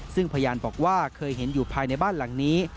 ซึ่งพยานบอกว่าเคยเห็นอยู่ภายในบ้านหลังนี้